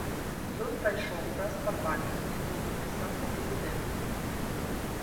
Ён прайшоў праз парламент і быў падпісаны прэзідэнтам.